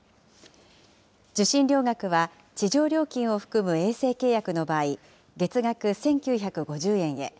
受信料額は、地上料金を含む衛星契約の場合、月額１９５０円へ。